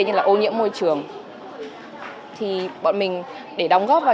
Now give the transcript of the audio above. như là ô nhiễm môi trường thì bọn mình để đóng góp vào